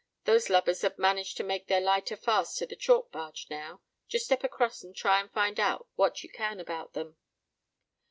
Those lubbers have managed to make their lighter fast to the chalk barge now: just step across and try and find out what you can about them."